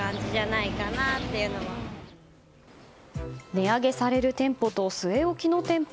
値上げされる店舗と据え置きの店舗。